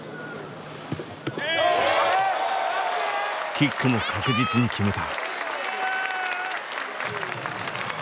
キックも確実に決めた。